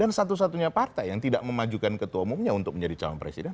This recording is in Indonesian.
dan satu satunya partai yang tidak memajukan ketua umumnya untuk menjadi calon presiden